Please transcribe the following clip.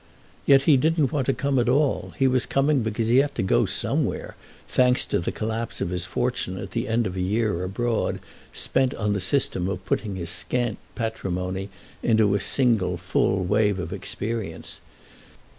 Yet he didn't want to come at all; he was coming because he had to go somewhere, thanks to the collapse of his fortune at the end of a year abroad spent on the system of putting his scant patrimony into a single full wave of experience.